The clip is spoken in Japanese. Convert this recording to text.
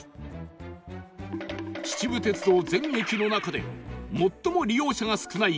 秩父鉄道全駅の中で最も利用者が少ない